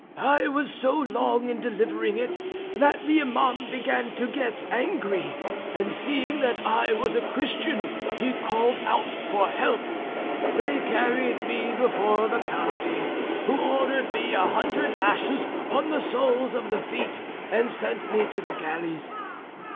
I was so long in delivering it that the Iman began to get angry, and seeing that I was a Christian he called out for help. They carried me before the cadi, who ordered me a hundred lashes on the soles of the feet and sent me to the galleys.